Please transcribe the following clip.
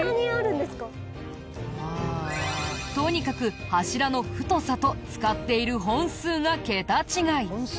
とにかく柱の太さと使っている本数が桁違い。